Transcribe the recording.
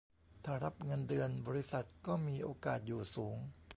ถ้ารับเงินเดือนบริษัทก็มีโอกาสอยู่สูง